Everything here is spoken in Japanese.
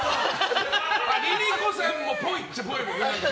ＬｉＬｉＣｏさんもぽいっちゃぽいもんね。